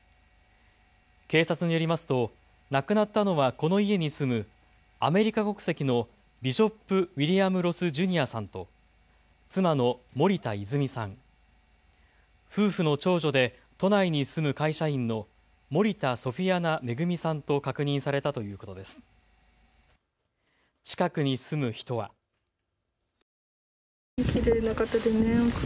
警察によりますと亡くなったのはこの家に住むアメリカ国籍のビショップ・ウィリアム・ロス・ジュニアさんと妻の森田泉さん、夫婦の長女で都内に住む会社員の森田ソフィアナ恵さんと確認されたということです。